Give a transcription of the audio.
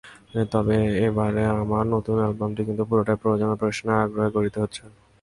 তবে, এবারে আমার নতুন অ্যালবামটি কিন্তু পুরোটাই প্রযোজনা প্রতিষ্ঠানের আগ্রহে করতে হচ্ছে।